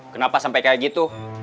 kenapa sampai kayak gitu